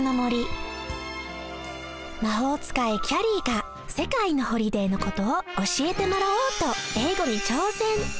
魔法つかいＫＹＡＲＹが世界のホリデーのことを教えてもらおうと英語にちょうせん！